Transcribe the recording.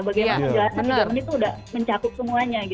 bagaimana menjelaskan tiga menit itu udah mencakup semuanya gitu